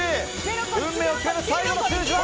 運命を決める最後の数字は。